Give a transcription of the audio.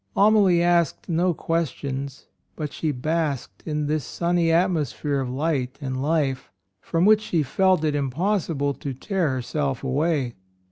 Amalie asked no questions, she but basked in this sunny atmosphere of light and life, from which she felt it impossible to tear herself away.